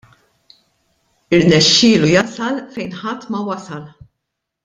Irnexxielu jasal fejn ħadd ma wasal.